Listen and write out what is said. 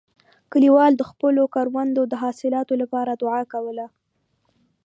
کلیوال د خپلو کروندو د حاصلاتو لپاره دعا کوله.